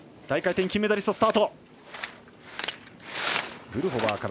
大回転金メダリスト。